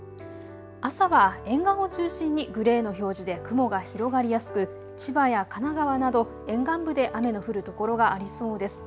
朝は沿岸を中心にグレーの表示で雲が広がりやすく千葉や神奈川など沿岸部で雨の降る所がありそうです。